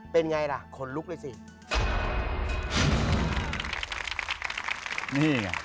เป็นไงล่ะขนลุกเลยสิ